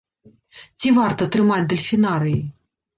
Ці варта трымаць дэльфінарыі?